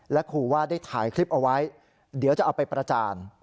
ขู่ว่าได้ถ่ายคลิปเอาไว้เดี๋ยวจะเอาไปประจาน